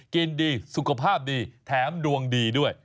กินดีสุขภาพดีแถมดวงดีด้วย